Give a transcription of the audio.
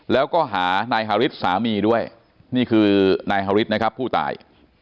แล้วก็หานายฮาริสสามีด้วยนี่คือนายฮาริสนะครับผู้ตาย